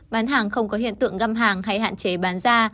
bán hàng không có hiện tượng găm hàng hay hạn chế bán ra